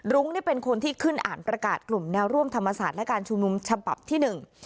เป็นคนที่ขึ้นอ่านประกาศกลุ่มแนวร่วมธรรมศาสตร์และการชุมนุมฉบับที่หนึ่ง